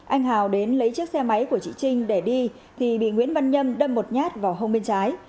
anh hào đến lấy chiếc xe máy của chị trinh để đi thì bị nguyễn văn nhâm đâm một nhát vào hông bên trái